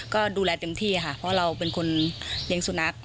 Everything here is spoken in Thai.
ก็ดูแลเต็มที่ค่ะเพราะเราเป็นคนเลี้ยงสุนัข